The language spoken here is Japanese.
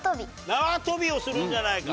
縄跳びをするんじゃないか。